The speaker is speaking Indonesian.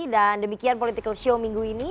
dan demikian political show minggu ini